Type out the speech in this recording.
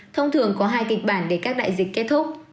thông thường có hai kịch bản để các đại dịch kết thúc